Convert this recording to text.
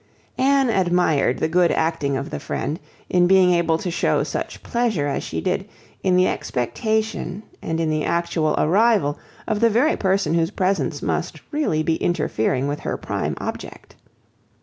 Anne admired the good acting of the friend, in being able to shew such pleasure as she did, in the expectation and in the actual arrival of the very person whose presence must really be interfering with her prime object.